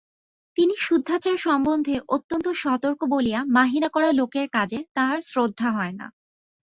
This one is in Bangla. তিনি শুদ্ধাচার সম্বন্ধে অত্যন্ত সতর্ক বলিয়া মাহিনা-করা লোকের কাজে তাঁহার শ্রদ্ধা হয় না।